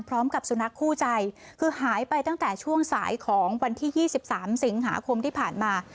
พร้อมกับสุนัขคู่ใจคือหายไปตั้งแต่ช่วงสายของวันที่๒๓สิงหาคมที่ผ่านมา